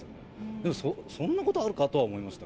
でもそんなことあるか？とは思いました。